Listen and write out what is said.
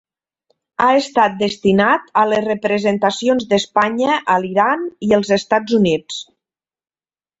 Ha estat destinat a les representacions d'Espanya a l'Iran i els Estats Units.